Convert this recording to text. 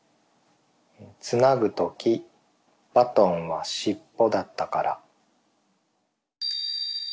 「つなぐときバトンはしっぽだったから」。